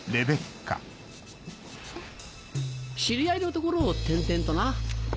知り合いの所を転々とな。